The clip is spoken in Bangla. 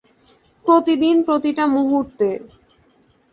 প্রতিদিন প্রতিটা মুহূর্তে।